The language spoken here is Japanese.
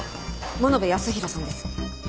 物部泰弘さんです。